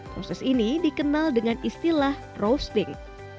proses ini dikenal dengan istilah roasting